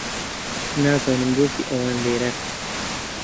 نازانم بۆچی ئەوان لێرەن.